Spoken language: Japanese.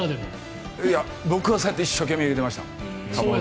僕はそうやって一生懸命入れてました。